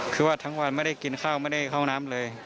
คือว่าทั้งวันไม่ได้กินข้าวไม่ได้เข้าน้ำเลย